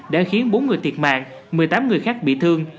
đã khiến bốn người thiệt mạng một mươi tám người khác bị thương